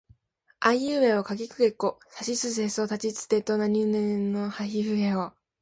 あいうえおかきくけこさしすせそたちつてとなにぬねのはひふへほ